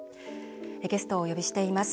ゲストをお呼びしています。